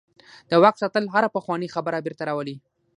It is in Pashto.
د واک ساتل هره پخوانۍ خبره بیرته راولي.